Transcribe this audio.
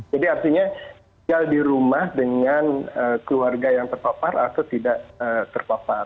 jadi artinya jika di rumah dengan keluarga yang terpapar atau tidak terpapar